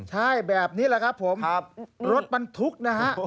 ใช่แบบนี้แหละครับผมรถบรรทุกนะฮะ